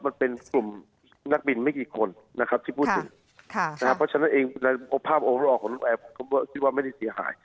มันเป็นกลุ่มนักบินไม่กี่คนนะครับที่พูดถึงเพราะฉะนั้นเองภาพโอเคราะห์ของนกแอร์ผมคิดว่าไม่ได้เสียหาย